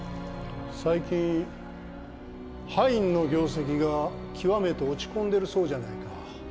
最近葉員の業績が極めて落ち込んでるそうじゃないか。